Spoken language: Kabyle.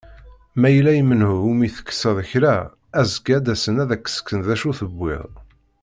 Ma yella i menhu umi tekseḍ kra, azekka ad d-asen ad ak-ksen d acu tewwiḍ.